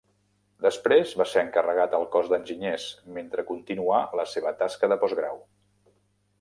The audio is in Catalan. Després va ser encarregat al cos d'enginyers, mentre continuà la seva tasca de postgrau.